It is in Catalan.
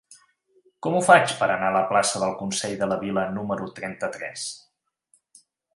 Com ho faig per anar a la plaça del Consell de la Vila número trenta-tres?